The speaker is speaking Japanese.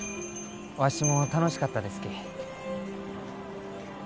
わしも楽しかったですき。